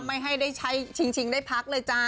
ไม่ให้ได้ใช้ชิงได้พักเลยจ้า